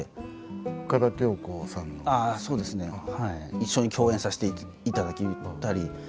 一緒に共演させていただけたり。